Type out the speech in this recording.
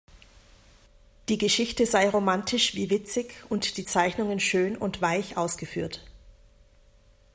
Die Geschichte sei romantisch wie witzig und die Zeichnungen schön und weich ausgeführt.